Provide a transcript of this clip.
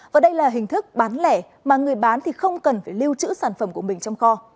và đây là hình thức bán lẻ mà người bán thì không cần phải lưu trữ sản phẩm của mình trong kho